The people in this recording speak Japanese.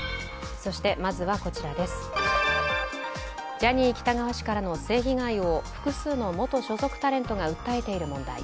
ジャニー喜多川氏からの性被害を複数の元所属タレントが訴えている問題。